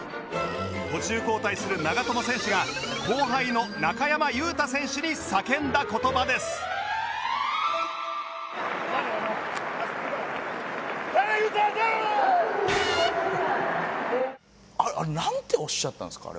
途中交代する長友選手が後輩の中山雄太選手に叫んだ言葉ですなんておっしゃったんですか？